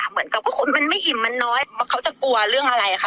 เหมือนกับว่าคนมันไม่อิ่มมันน้อยเขาจะกลัวเรื่องอะไรค่ะ